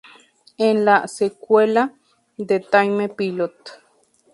Es la secuela de "Time Pilot".